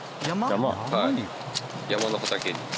山の畑に。